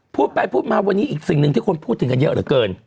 พูดไปพูดมาวันนี้อีกสิ่งหนึ่งที่คนพูดถึงกันเยอะเหลือเกิน